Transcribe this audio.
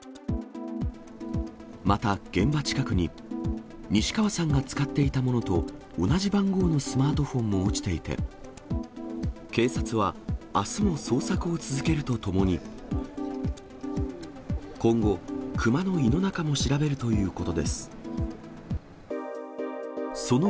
また、現場近くに、西川さんが使っていたものと同じ番号のスマートフォンも落ちていて、警察はあすも捜索を続けるとともに、今後、クマの胃の中も調べるということです。